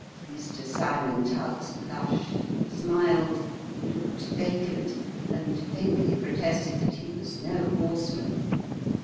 Mr. Cymon Tuggs blushed, smiled, looked vacant, and faintly protested that he was no horseman.